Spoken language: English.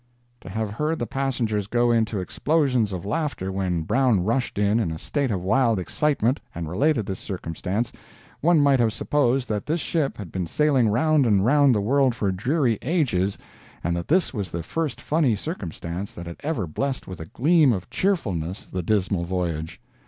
To have heard the passengers go into explosions of laughter when Brown rushed in, in a state of wild excitement, and related this circumstance, one might have supposed that this ship had been sailing round and round the world for dreary ages, and that this was the first funny circumstance that had ever blessed with a gleam of cheerfulness the dismal voyage.